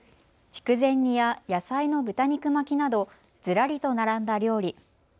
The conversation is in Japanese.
筑前煮や野菜の豚肉巻きなどずらりと並んだ料理。